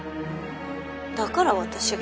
だから私が。